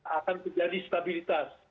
akan terjadi stabilitas